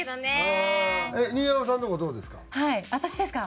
新山さんのとこどうですか？